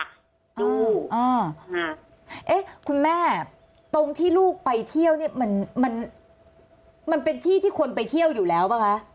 ลูกอ่าเอ๊ะคุณแม่ตรงที่ลูกไปเที่ยวเนี่ยมันมันเป็นที่ที่คนไปเที่ยวอยู่แล้วป่ะคะ